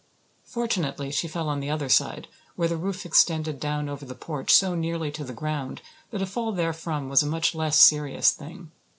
Fortunately she fell on the other side, where the roof extended down over the porch so nearly to the ground that a fall therefrom was a much less serious thing.